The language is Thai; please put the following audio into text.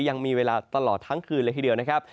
ยังมีเวลาตลอดทั้งคืนเลยทีเดียวนะครับ